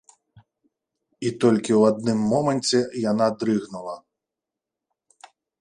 І толькі ў адным моманце яна дрыгнула.